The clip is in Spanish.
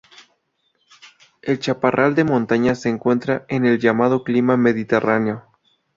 El Chaparral de montaña se encuentra en el llamado clima mediterráneo.